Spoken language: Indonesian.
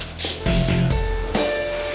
check in dah pause